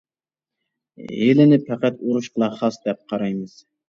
ھىيلىنى پەقەت ئۇرۇشقىلا خاس دەپ قارايمىز.